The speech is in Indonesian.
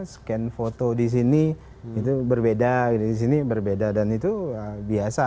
scan foto di sini itu berbeda di sini berbeda dan itu biasa